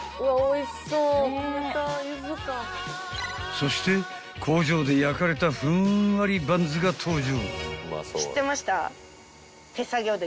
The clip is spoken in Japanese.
［そして工場で焼かれたふんわりバンズが登場］